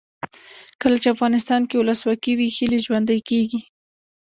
کله چې افغانستان کې ولسواکي وي هیلې ژوندۍ کیږي.